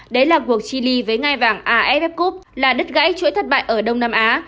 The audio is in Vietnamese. đấy là cuộc chi ly với ngai vàng aff cup là đứt gãy chuỗi thất bại ở đông nam á